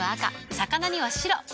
魚には白。